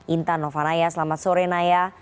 intan novanaya selamat sore naya